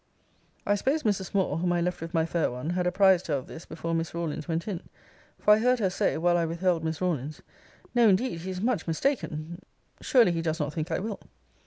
I suppose Mrs. Moore, (whom I left with my fair one,) had apprized her of this before Miss Rawlins went in; for I heard her say, while I withheld Miss Rawlins, 'No, indeed: he is much mistaken surely he does not think I will.'